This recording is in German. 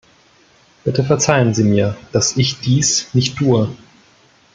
Bitte verzeihen Sie mir, dass ich dies nicht tue.